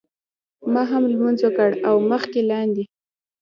ما هم لمونځ وکړ او مخکې لاندې.